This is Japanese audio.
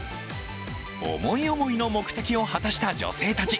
思い思いの目的を果たした女性たち。